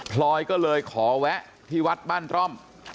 พลอยก็เลยขอแวะที่วัดบ้านร่อม